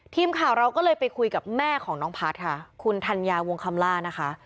ทีมข่าวเราก็เลยไปคุยกับแม่ของน้องพัฒน์ค่ะคุณธัญญาวงคำล่านะคะ